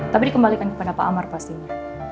tapi dikembalikan kepada pak amar pastinya